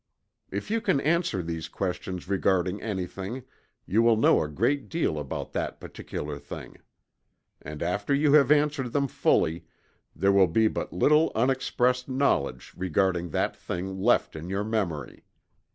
If you can answer these questions regarding anything, you will know a great deal about that particular thing. And after you have answered them fully, there will be but little unexpressed knowledge regarding that thing left in your memory.